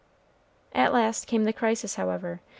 At last came the crisis, however.